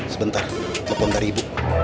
sebentar nelfon dari ibu